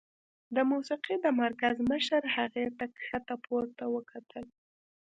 د موسيقۍ د مرکز مشر هغې ته ښکته پورته وکتل.